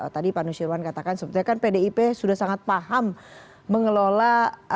tadi pak nusirwan katakan sebetulnya kan pdip sudah sangat paham mengelola